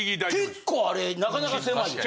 結構あれなかなか狭いよね。